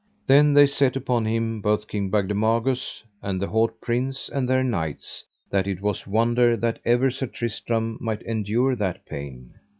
Then they set upon him, both King Bagdemagus, and the haut prince, and their knights, that it was wonder that ever Sir Tristram might endure that pain.